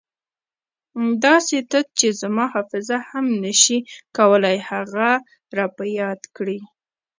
داسې تت چې زما حافظه هم نه شي کولای هغه را په یاد کړي.